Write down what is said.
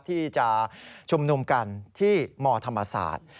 ที่จะชุมนุมกันที่มธรรมศาสตร์